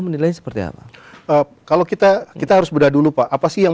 menilai seperti apa kalau kita kita harus bedah dulu pak apa sih yang